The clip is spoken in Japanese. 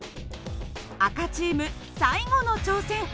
赤チーム最後の挑戦。